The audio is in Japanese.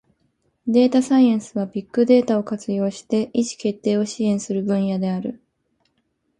データサイエンスは、ビッグデータを活用して意思決定を支援する分野である。